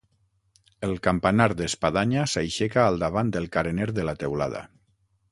El campanar d'espadanya s'aixeca al davant del carener de la teulada.